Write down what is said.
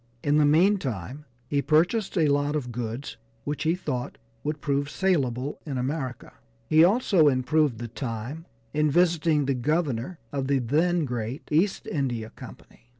In the meantime he purchased a lot of goods which he thought would prove salable in America. He also improved the time in visiting the Governor of the then great East India Company.